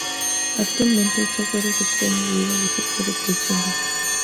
Actualmente, el software es extraño debido a los ciclos de producción bajos.